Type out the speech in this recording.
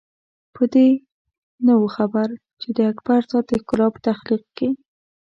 په دې نه وو خبر چې د اکبر ذات د ښکلا په تخلیق کې.